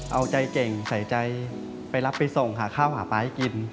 เอาใจเก่งใส่ใจไปรับไปส่งหาข้าวหาปลาให้กิน